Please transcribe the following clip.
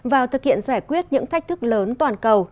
vào thực hiện giải quyết những thách thức lớn toàn cầu